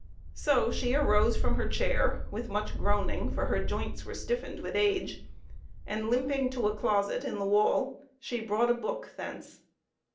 So she arose from her chair with much groaning, for her joints were stiffened with age, and limping to a closet in the wall she brought a book thence.